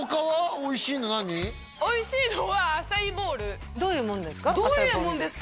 おいしいのはアサイーボウルどういうもんですか？